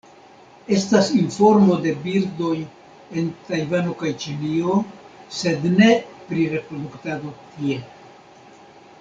Estas informo de birdoj en Tajvano kaj Ĉinio, sed ne pri reproduktado tie.